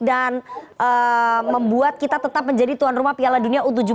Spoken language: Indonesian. dan membuat kita tetap menjadi tuan rumah piala dunia u tujuh belas